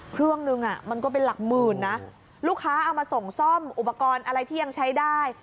เครื่องนึงอ่ะมันก็เป็นหลักหมื่นนะลูกค้าเอามาส่งซ่อมอุปกรณ์อะไรที่ยังใช้ได้